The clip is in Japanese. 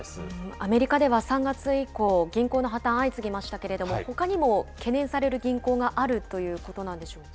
アメリカでは３月以降、銀行の破綻、相次ぎましたけれども、ほかにも懸念される銀行があるということなんでしょうか。